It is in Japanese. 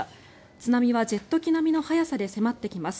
津波はジェット機並みの速さで迫ってきます。